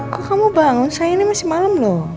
kok kamu bangun sayang ini masih malem loh